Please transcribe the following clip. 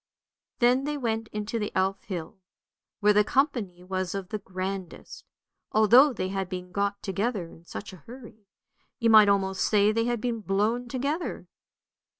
Then they went into the Elf hill, where the company was of the grandest, although they had been got together in such a hurry; you might almost say they had been blown together.